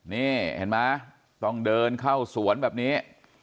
นี่เห็นไหมต้องเดินเข้าสวนแบบนี้